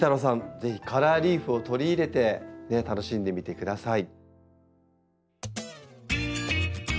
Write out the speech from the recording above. ぜひカラーリーフを取り入れて楽しんでみてください。